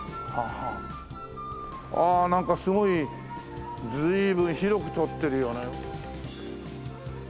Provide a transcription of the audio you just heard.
ああなんかすごい随分広く取ってるよね。